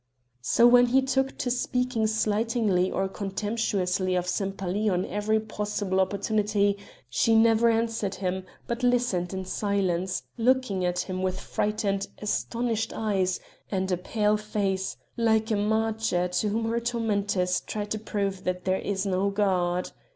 So when he took to speaking slightingly or contemptuously of Sempaly on every possible opportunity she never answered him, but listened in silence, looking at him with frightened, astonished eyes and a pale face, like a martyr to whom her tormentors try to prove that there is no God.